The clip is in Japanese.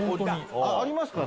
ありますか？